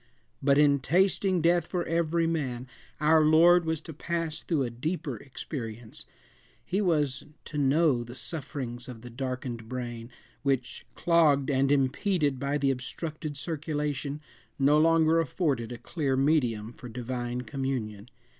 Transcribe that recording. But in tasting death for every man our Lord was to pass through a deeper experience; he was to know the sufferings of the darkened brain, which, clogged and impeded by the obstructed circulation, no longer afforded a clear medium for divine communion.